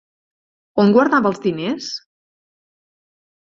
On guardava els diners?